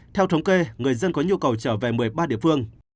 theo thống kê người dân có nhu cầu trở về một mươi ba địa phương